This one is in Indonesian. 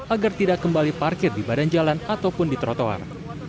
agar tidak kembali parkir di badan jalan ataupun di trotoar